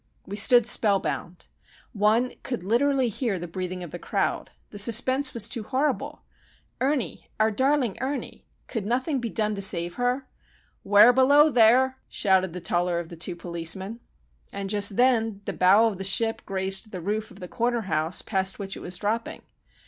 We stood spellbound. One could literally hear the breathing of the crowd. The suspense was too horrible. Ernie—our darling Ernie! Could nothing be done to save her? "'Ware below there!" shouted the taller of the two policemen. And just then the bow of the ship grazed the roof of the corner house past which it was dropping.